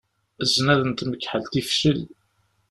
Zznad n tmekḥelt ifcel.